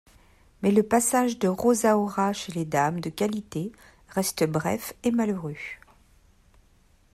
Mais le passage de Rosaura chez les dames de qualité reste bref et malheureux.